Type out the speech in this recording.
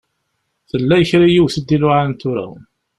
Tella kra n yiwet i d-iluɛan tura.